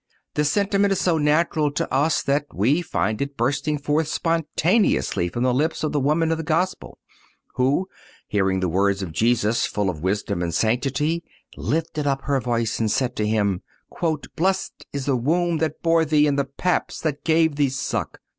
This sentiment is so natural to us that we find it bursting forth spontaneously from the lips of the woman of the Gospel, who, hearing the words of Jesus full of wisdom and sanctity, lifted up her voice and said to Him: "Blessed is the womb that bore Thee and the paps that gave Thee suck."